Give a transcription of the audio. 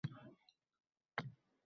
yurmayman. Mana, obkom a’zolari guvoh.